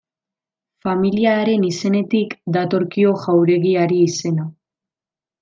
Familia haren izenetik datorkio jauregiari izena.